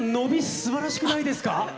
すばらしくないですか？